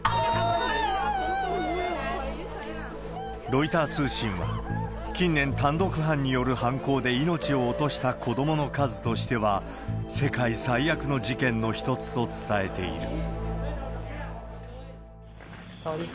ロイター通信は近年、単独犯による犯行で命を落とした子どもの数としては、世界最悪の事件の一つと伝えている。